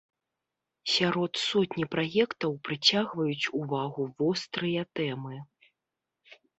Сярод сотні праектаў прыцягваюць увагу вострыя тэмы.